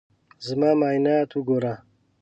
زما معاینات وګوره.